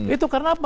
itu karena apa